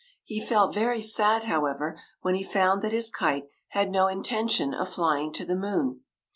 He felt very sad, however, when he found that his kite had no intention of flying to the moon.